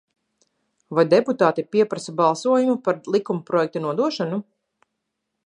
Vai deputāti pieprasa balsojumu par likumprojekta nodošanu?